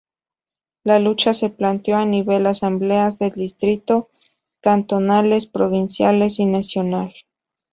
La lucha se planteó a nivel de Asambleas de Distrito, Cantonales, Provinciales y Nacional.